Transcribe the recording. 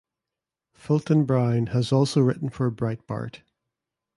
Fulton Brown has also written for "Breitbart".